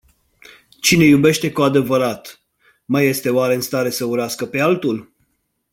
Cine iubește cu adevărat, mai este oare în stare să urască pe altul?